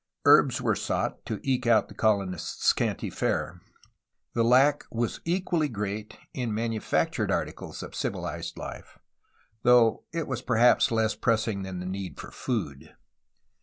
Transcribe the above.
Herbs were sought to eke out the colonists' scanty fare. The lack was equally great in the manufactured articles of civilized Hfe, though it was perhaps less pressing than the need for food.